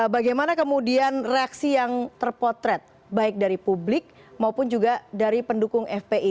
bagaimana kemudian reaksi yang terpotret baik dari publik maupun juga dari pendukung fpi